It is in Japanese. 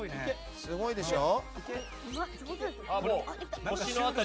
すごいでしょ。